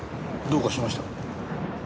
どうかしました？